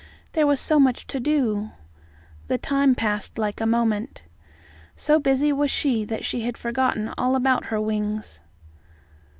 There was so much to do! The time passed like a moment. So busy was she that she had forgotten all about her wings.